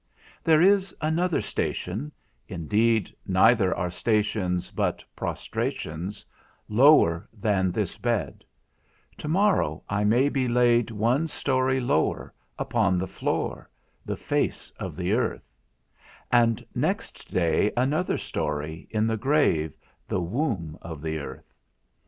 There is another station (indeed neither are stations but prostrations) lower than this bed; to morrow I may be laid one story lower, upon the floor, the face of the earth; and next day another story, in the grave, the womb of the earth.